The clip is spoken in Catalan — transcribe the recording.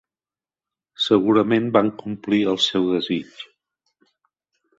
Segurament van complir el seu desig.